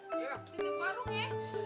warnanya nthe barung ye